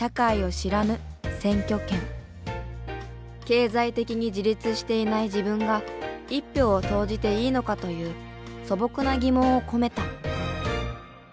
経済的に自立していない自分が一票を投じていいのかという素朴な疑問を込めた。